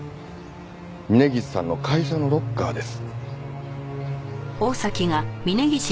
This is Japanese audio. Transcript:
峯岸さんの会社のロッカーです。